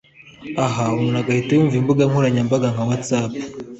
aha umuntu agahita yumva imbuga nkoranyambaga nka whatsapp